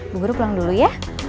bu guru pulang dulu ya